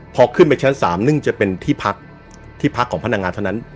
พอขึ้นไปชั้น๓ซึ่งจะเป็นที่พักที่พักของพนักงานเท่านั้น